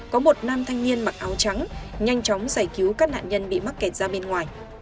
có một nam thanh niên mặc áo trắng nhanh chóng giải cứu các nạn nhân bị mắc kẹt ra bên ngoài